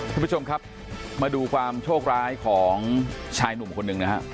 คุณผู้ชมครับมาดูความโชคร้ายของชายหนุ่มคนหนึ่งนะฮะ